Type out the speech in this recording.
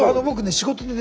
仕事でね